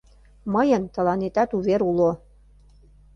Мыйын тыланетат увер уло.